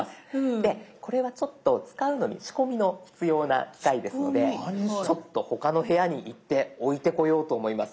でこれはちょっと使うのに仕込みの必要な機械ですのでちょっと他の部屋に行って置いてこようと思います。